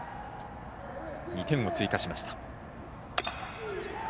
２点を追加しました。